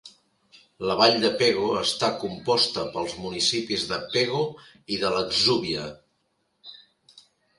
La Vall de Pego està composta pels municipis de Pego i de l'Atzúbia.